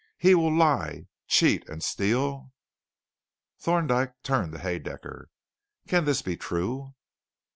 He will lie, cheat, and steal " Thorndyke turned to Haedaecker. "Can this be true?"